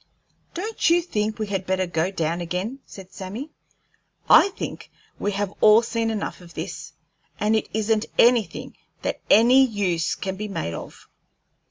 "Don't you think we had better go down again?" said Sammy. "I think we have all seen enough of this, and it isn't anything that any use can be made of."